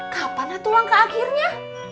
kapan lah tuh langkah akhirnya